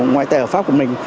ngoại tệ ở pháp của mình